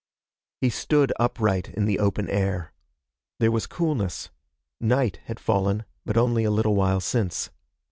He stood upright in the open air. There was coolness. Night had fallen, but only a little while since.